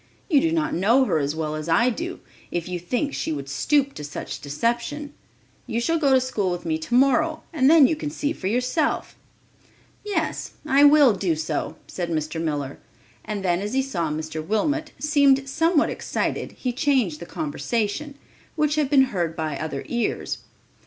You do not know her as well as I do, if you think she would stoop to such deception. You shall go to school with me tomorrow, and then you can see for yourself." "Yes, I will do so," said Mr. Miller, and then as he saw Mr. Wilmot seemed somewhat excited, he changed the conversation, which had been heard by other ears.